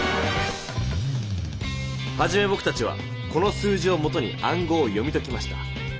はじめぼくたちはこの数字をもとにあんごうを読みときました。